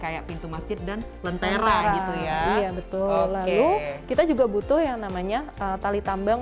kayak pintu masjid dan lentera gitu ya iya betul lalu kita juga butuh yang namanya tali tambang